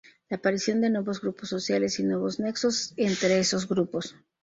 La aparición de nuevos grupos sociales y nuevos nexos entre esos grupos.